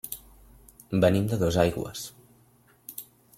Venim de Dosaigües.